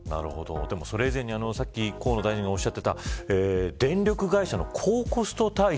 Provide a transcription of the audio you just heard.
それ以前に河野大臣がおっしゃっていた電力会社の高コスト体質